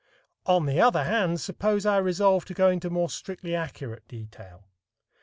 On the other hand, suppose I resolve to go into more strictly accurate detail.